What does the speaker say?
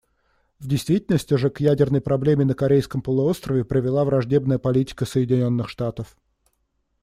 В действительности же к ядерной проблеме на Корейском полуострове привела враждебная политика Соединенных Штатов.